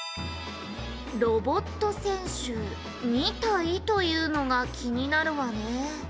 「ロボット選手２体というのが気になるわね」